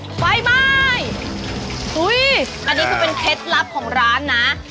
อุ้ยอันนี้คือเป็นเท็จลับของร้านนะ